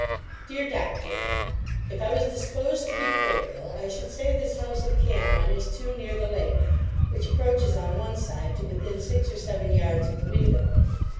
DEAR DOCTOR, If I was disposed to be critical, I should say this house of Cameron is too near the lake, which approaches, on one side, to within six or seven yards of the window.